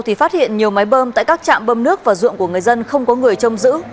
thì phát hiện nhiều máy bơm tại các trạm bơm nước và ruộng của người dân không có người trông giữ